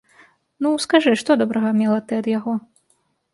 Ну, скажы, што добрага мела ты ад яго?